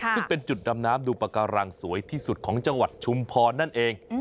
ซึ่งเป็นจุดดำน้ำดูปากการังสวยที่สุดของจังหวัดชุมพรนั่นเอง